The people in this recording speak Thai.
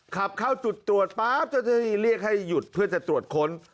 ขับเข้าจุดตรวจป๊ะเรียกให้หยุดเพื่อจะตรวจคน